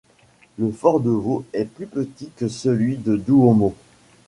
Le fort de Vaux est plus petit que celui de Douaumont.